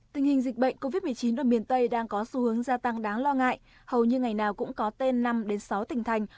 tình hình dịch bệnh covid một mươi chín ở miền tây đang có xu hướng gia tăng đáng lo ngại hầu như ngày nào cũng có tên năm sáu tỉnh thành